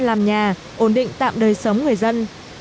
làm nhà ổn định tạm đời sống người dân